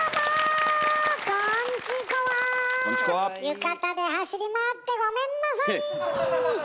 浴衣で走り回ってごめんなさい。